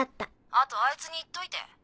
あとあいつに言っといて。